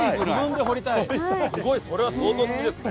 すごいそれは相当好きですね。